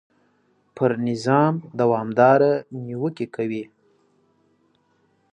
پر نظام دوامدارې نیوکې کوي.